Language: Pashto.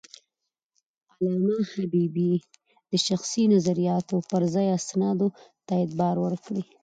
علامه حبيبي د شخصي نظریاتو پر ځای اسنادو ته اعتبار ورکړی.